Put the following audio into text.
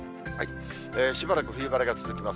しばらく冬晴れが続きます。